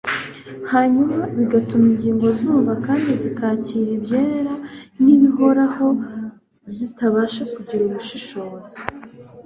hanyuma bigatuma ingingo zumva kandi zikakira ibyera n'ibihoraho zitabasha kugira ubushishozi